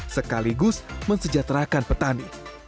sekaligus mensejahterakan petani